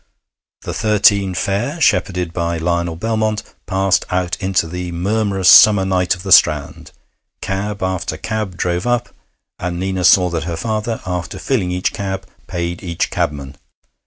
The thirteen fair, shepherded by Lionel Belmont, passed out into the murmurous summer night of the Strand. Cab after cab drove up, and Nina saw that her father, after filling each cab, paid each cabman.